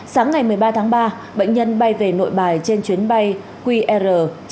sáng ngày một mươi ba tháng ba bệnh nhân bay về nội bài trên chuyến bay qr chín trăm sáu mươi tám